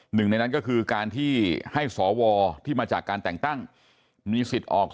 หนึ่งในนั้นก็คือการที่ให้สวที่มาจากการแต่งตั้งมีสิทธิ์ออก